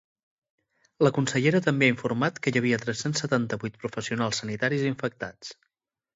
La consellera també ha informat que hi havia tres-cents setanta-vuit professionals sanitaris infectats.